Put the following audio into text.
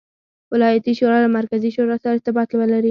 ولایتي شورا له مرکزي شورا سره ارتباط ولري.